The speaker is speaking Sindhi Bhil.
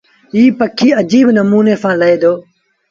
ايٚ پکي اجيب نموٚني سآݩ لهي دو۔